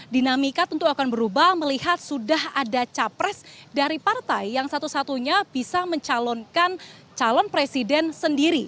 dinamika tentu akan berubah melihat sudah ada capres dari partai yang satu satunya bisa mencalonkan calon presiden sendiri